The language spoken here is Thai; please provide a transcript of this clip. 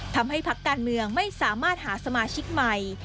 พักการเมืองไม่สามารถหาสมาชิกใหม่